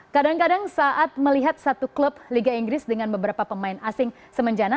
kadang kadang saat melihat satu klub liga inggris dengan beberapa pemain asing semenjana